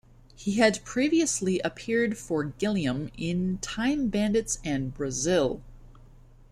He had previously appeared for Gilliam in "Time Bandits" and "Brazil".